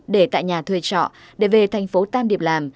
để tại nhà thuê trọ để về thành phố tam điệp làm